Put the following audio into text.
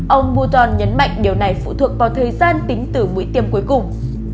ông muton nhấn mạnh điều này phụ thuộc vào thời gian tính từ mũi tiêm cuối cùng